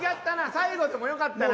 最後でもよかったな。